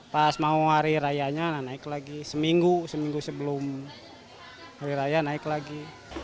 pas mau hari rayanya naik lagi seminggu seminggu sebelum hari raya naik lagi